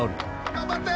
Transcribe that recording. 頑張って。